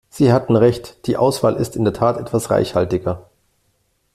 Sie hatten recht, die Auswahl ist in der Tat etwas reichhaltiger.